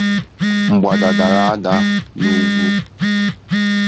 Mgbada dara ada n'ugwu